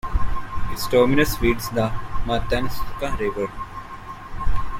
Its terminus feeds the Matanuska River.